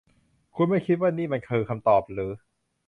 คุณไม่คิดว่านี้มันคือคำตอบหรือ ?